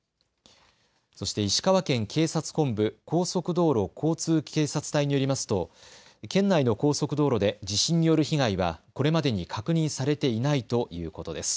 そして石川県警察本部高速道路交通警察隊によりますと県内の高速道路で地震による被害はこれまでに確認されていないということです。